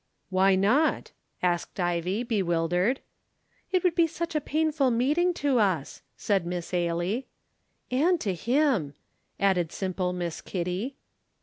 "Why not?" asked Ivie, bewildered. "It would be such a painful meeting to us." said Miss Ailie. "And to him," added simple Miss Kitty.